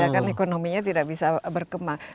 kan ekonominya tidak bisa berkembang